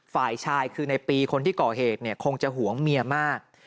ฝ่ายชายคือในปีคนที่ก่อเหตุเนี่ยคงจะหวงเมียมาก